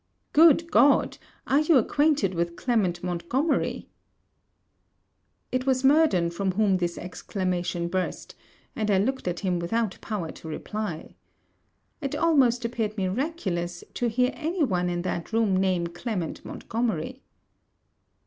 'Good God! Are you acquainted with Clement Montgomery?' It was Murden from whom this exclamation burst; and I looked at him without power to reply. It almost appeared miraculous, to hear any one in that room name Clement Montgomery.